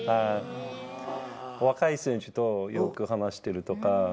若い選手とよく話してるとか。